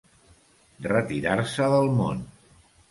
Retirar-se del món.